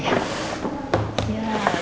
iya sini saya bantu pak